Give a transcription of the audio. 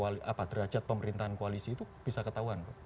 soal derajat pemerintahan koalisi itu bisa ketahuan